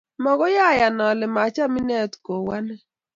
Magoy ayan ale macham inet kou ane